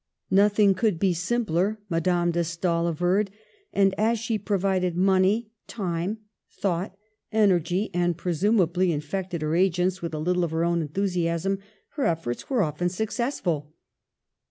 Nothing could be simpler, Madame de Stael averred ; and as she provided money, time, thought, energy, and presumably infected her agents with a little of her own enthusiasm, her efforts were often successful.